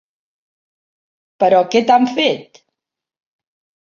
Però què t'han fet?